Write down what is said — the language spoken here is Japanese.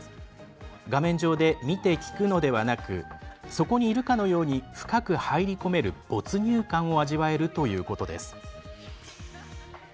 画面上で「見て、聞く」のではなくそこにいるかのように深く入り込める没入感を味わえるということです。